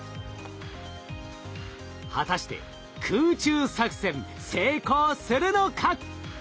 果たして空中作戦成功するのか？